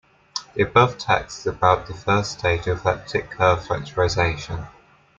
The above text is about the first stage of elliptic curve factorisation.